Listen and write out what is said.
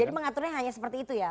jadi mengaturnya hanya seperti itu ya